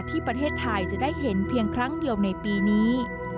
ที่ประเทศไทยจะได้เห็นเพียงครั้งเดียวในปีนี้